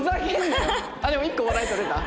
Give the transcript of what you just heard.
でも一個笑い取れた？